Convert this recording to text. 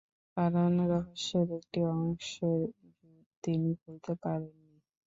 কারণ রহস্যের একটি অংশের জুট তিনি খুলতে পারেন নি।